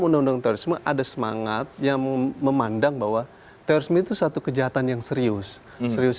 undang undang tersebut ada semangat yang memandang bahwa tersebut satu kejahatan yang serius serius